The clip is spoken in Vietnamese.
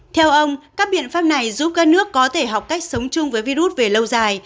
theo ông các biện pháp này giúp các nước có thể học cách sống chung với virus về lâu dài